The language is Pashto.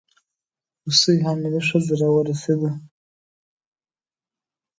روسۍ حامله ښځه راورسېده.